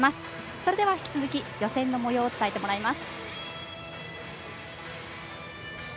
それでは引き続き予選のもようを伝えてもらいます。